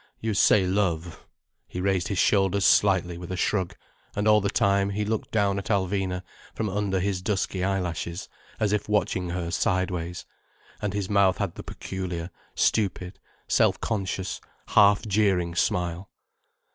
You say love—" He raised his shoulders slightly, with a shrug. And all the time he looked down at Alvina from under his dusky eyelashes, as if watching her sideways, and his mouth had the peculiar, stupid, self conscious, half jeering smile.